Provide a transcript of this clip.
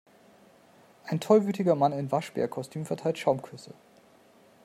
Ein tollwütiger Mann in Waschbärkostüm verteilt Schaumküsse.